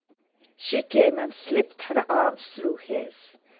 She came and slipped her arm through his.